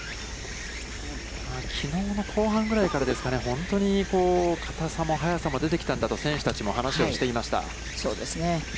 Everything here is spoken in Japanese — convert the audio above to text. きのうの後半ぐらいですかね、本当にかたさも速さも出てきたんだと、選手たちも話をしていました。